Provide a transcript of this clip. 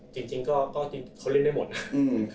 จริงก็เค้าเล่นได้หมดนะ